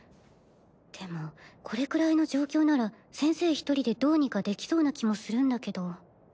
でもこれくらいの状況なら先生１人でどうにかできそうな気もするんだけど。